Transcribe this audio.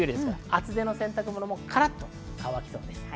厚手の洗濯物もカラッと乾きそうです。